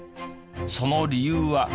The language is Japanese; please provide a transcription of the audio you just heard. その理由は。